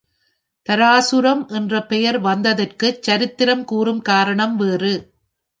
தாராசுரம் என்ற பெயர் வந்ததற்குச் சரித்திரம் கூறும் காரணம் வேறு.